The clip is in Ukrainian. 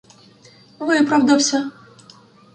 Виправдався.